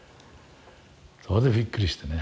そこでびっくりしてね。